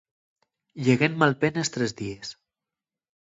Llegué en malpenes tres díes.